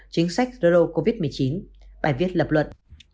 chính sách đối đối với covid một mươi chín bài viết lập luận